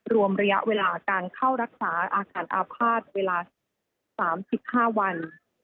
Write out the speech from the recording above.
รวมระยะเวลาการเข้ารักษาอาการอาภาษณ์เวลา๓๕วัน